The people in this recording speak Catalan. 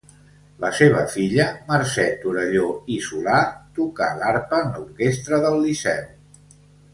La seva filla Mercè Torelló i Solà tocà l'arpa en l'orquestra del Liceu.